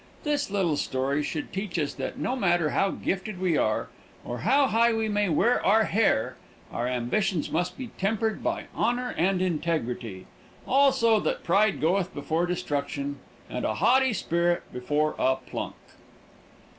This little story should teach us that no matter how gifted we are, or how high we may wear our hair, our ambitions must be tempered by honor and integrity; also that pride goeth before destruction and a haughty spirit before a plunk.